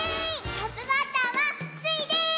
トップバッターはスイです！